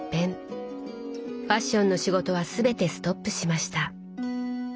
ファッションの仕事は全てストップしました。